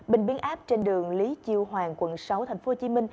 bình biến áp trên đường lý chiêu hoàng quận sáu tp hcm